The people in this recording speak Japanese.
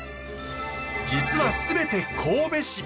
実は全て神戸市！